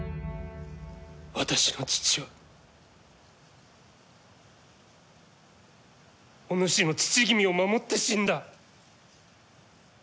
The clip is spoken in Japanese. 私の父はお主の父君を守って死んだ。